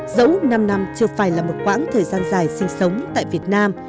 dẫu năm năm chưa phải là một quãng thời gian dài sinh sống tại việt nam